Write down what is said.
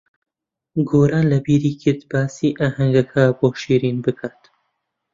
گۆران لەبیری کرد باسی ئاهەنگەکە بۆ شیرین بکات.